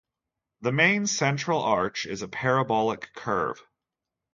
The main central arch is a parabolic curve.